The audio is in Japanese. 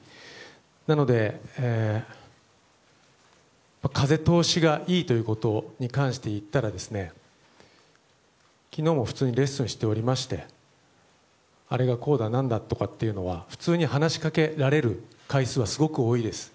なので、風通しがいいということでいったら昨日も普通にレッスンをしておりましてあれがこうだ、何だとかっていうのは普通に話しかけられる回数はすごく多いです。